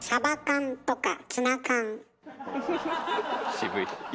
渋い。